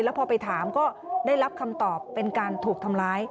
พอไปถามก็ได้รับคำตอบเป็นการถูกทำร้าย